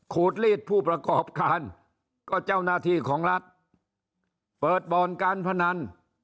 ลีดผู้ประกอบการก็เจ้าหน้าที่ของรัฐเปิดบ่อนการพนัน